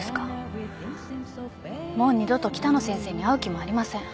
もう二度と北野先生に会う気もありません。